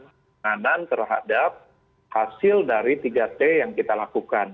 penanganan terhadap hasil dari tiga t yang kita lakukan